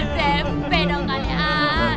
dempe dong kalian